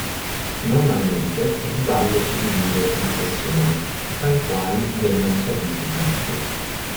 Normalmente il ballo si divide in sessioni, fra i quali vengono serviti piatti.